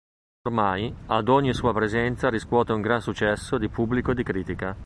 Ormai, ad ogni sua presenza riscuote un gran successo di pubblico e di critica.